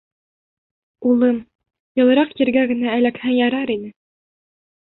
— Улым, йылыраҡ ергә генә эләкһәң ярар ине.